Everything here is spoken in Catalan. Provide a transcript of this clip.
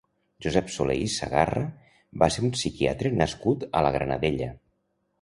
Josep Solé i Sagarra va ser un psiquiatre nascut a la Granadella.